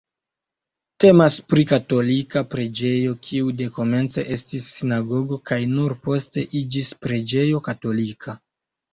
Temas pri katolika preĝejo, kiu dekomence estis sinagogo kaj nur poste iĝis preĝejo katolika.